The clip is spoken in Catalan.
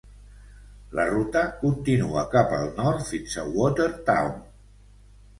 La ruta continua cap al nord fins a Watertown.